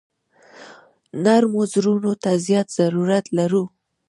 نرمو زړونو ته زیات ضرورت لرو.